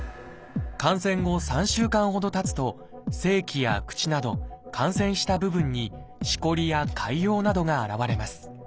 感染後３週間ほどたつと性器や口など感染した部分にしこりや潰瘍などが現れます。